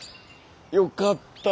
よかった。